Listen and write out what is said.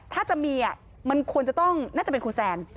ถ้าจะมีมันควรจะต้องน่าจะเป็นคุณแซน